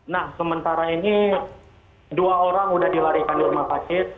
nah sementara ini dua orang sudah dilarikan di rumah sakit